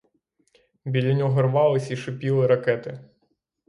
Біля нього рвались і шипіли ракети.